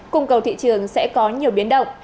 cung cầu thị trường sẽ có nhiều biến động